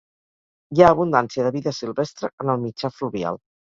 Hi ha abundància de vida silvestre en el mitjà fluvial.